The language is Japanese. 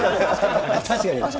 確かに。